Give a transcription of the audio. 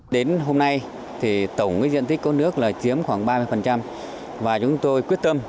đến hôm nay thì tổng diện tích có nước là chiếm khoảng ba mươi và chúng tôi quyết tâm